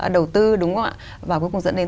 đầu tư đúng không ạ và cuối cùng dẫn đến